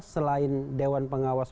selain dewan pengawas